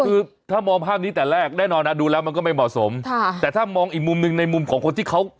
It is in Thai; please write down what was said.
คือถ้ามองภาพนี้แต่แรกแน่นอนนะดูแล้วมันก็ไม่เหมาะสมค่ะแต่ถ้ามองอีกมุมหนึ่งในมุมของคนที่เขา